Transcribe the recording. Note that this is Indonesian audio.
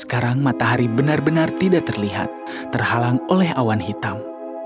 sekarang matahari benar benar tidak terlihat terhalang oleh awan hitam